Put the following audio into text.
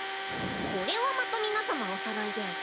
これはまた皆様おそろいで。